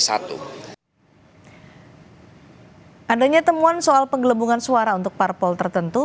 adanya temuan soal penggelembungan suara untuk parpol tertentu